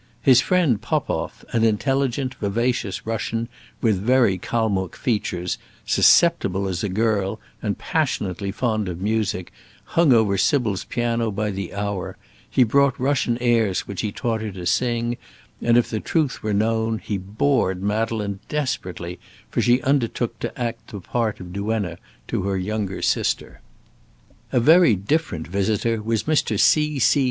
His friend Popoff, an intelligent, vivacious Russian, with very Calmuck features, susceptible as a girl, and passionately fond of music, hung over Sybil's piano by the hour; he brought Russian airs which he taught her to sing, and, if the truth were known, he bored Madeleine desperately, for she undertook to act the part of duenna to her younger sister. A very different visitor was Mr. C. C.